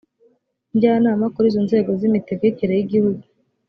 njyanama kuri izo nzego z imitegekere y igihugu